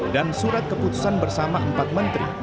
dan surat keputusan bersama empat menteri